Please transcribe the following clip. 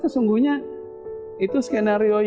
menurut data ini pada saat itu kutu c five's ini